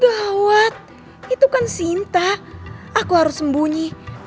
gawat itu kan sinta aku harus sembunyi